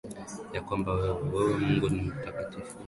Ya kwamba wewe, wewe Mungu ni mtakatifu